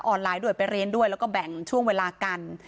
ไลน์ด้วยไปเรียนด้วยแล้วก็แบ่งช่วงเวลากัน